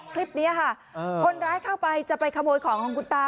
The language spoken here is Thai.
คลิปนี้ค่ะคนร้ายเข้าไปจะไปขโมยของของคุณตา